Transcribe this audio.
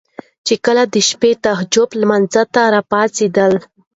چې کله د شپې تهجد لمانځه ته را پاڅيدل